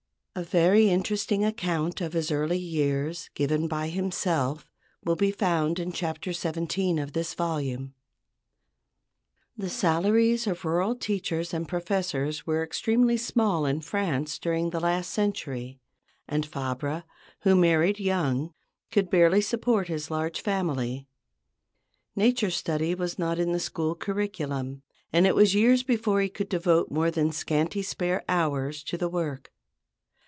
A very interesting account of his early years, given by himself, will be found in Chapter XVII of this volume. The salaries of rural teachers and professors were extremely small in France during the last century, and Fabre, who married young, could barely support his large family. Nature study was not in the school curriculum, and it was years before he could devote more than scanty spare hours to the work.